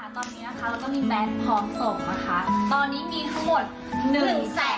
ตอนนี้นะคะเราก็มีแบตพร้อมส่งนะคะ